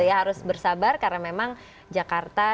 ya harus bersabar karena memang jakarta